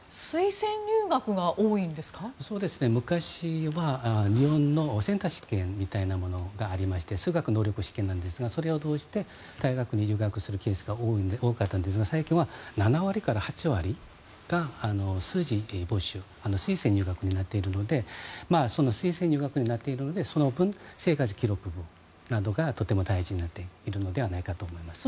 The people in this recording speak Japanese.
昔は日本のセンター試験みたいなものがありまして数学能力試験なんですがそれを利用して大学に入学するケースが多かったんですが最近は７割から８割が推薦入学になっているので推薦入学になっているのでその分、生活記録簿などがとても大事になっているのではないかと思いますね。